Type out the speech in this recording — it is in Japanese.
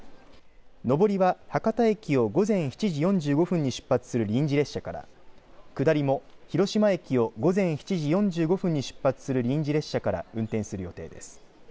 上りは博多駅を午前７時４５分に出発する臨時列車から下りも広島駅を午前７時４５分に出発する臨時列車から運転する予定です。